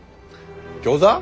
餃子？